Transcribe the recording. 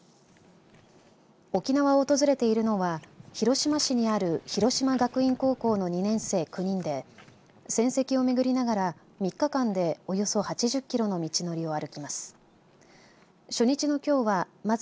沖縄を訪れているのは広島市にある広島学院高校の２年生９人で戦跡を巡りながら３日間でおよそ８０キロの道のりを歩きます。